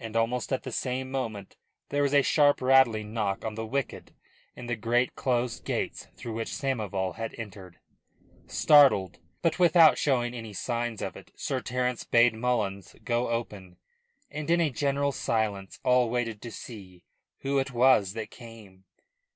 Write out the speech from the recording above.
And almost at the same moment there was a sharp rattling knock on the wicket in the great closed gates through which Samoval had entered. Startled, but without showing any signs of it, Sir Terence bade Mullins go open, and in a general silence all waited to see who it was that came.